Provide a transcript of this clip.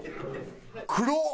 黒っ！